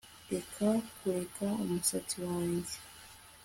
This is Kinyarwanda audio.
Reka kureka umusatsi wanjye